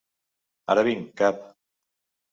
Ara vinc, cap!